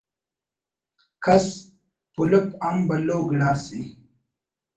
کس پلپ ہم بھلو گڑاسے